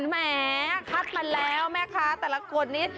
แหมคัดมาแล้วแม่ค้าแต่ละคนนี้